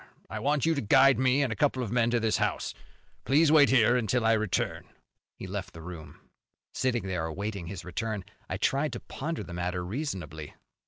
I want you to guide me and a couple of men to this house. Please wait here until I return." He left the room. Sitting there awaiting his return, I tried to ponder the matter reasonably.